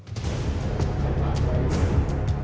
จากข้อหมูลเฉียงลึกพบว่า